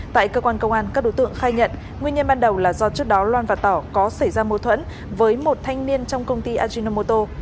tại cơ quan công an các đối tượng khai nhận nguyên nhân ban đầu là do trước đó loan và tỏ có xảy ra mâu thuẫn với một thanh niên trong công ty ajinomoto